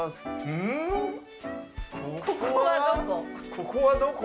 ここはどこ？